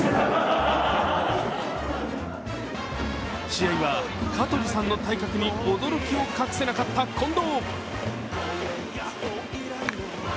試合は香取さんの体格に驚きを隠せなかった近藤。